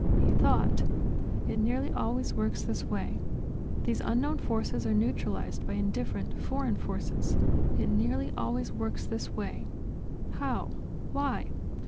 He thought: "It nearly always works this way. These unknown forces are neutralized by indifferent, foreign forces. It nearly always works this way. How? Why?